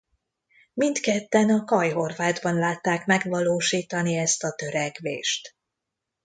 Mindketten a kaj-horvátban látták megvalósítani ezt a törekvést.